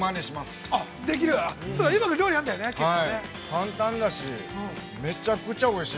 簡単だし。